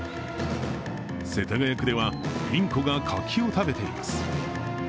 世田谷区ではインコが柿を食べています。